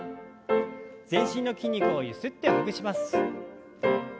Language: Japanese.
全身の筋肉をゆすってほぐします。